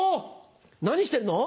何してるの？